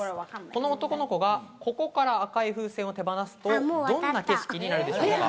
この男の子がここから赤い風船を手放すとどんな景色になるでしょうか。